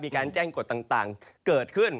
มีการแจ้งกฎต่างเกิดขึ้น